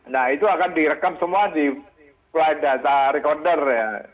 nah itu akan direkam semua di flight data recorder ya